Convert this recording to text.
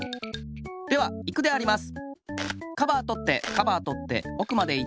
ではいくであります。